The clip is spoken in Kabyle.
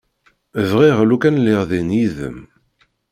Bɣiɣ lukan lliɣ din yid-m.